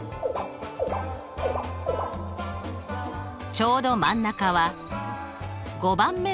ちょうど真ん中は５番目の値。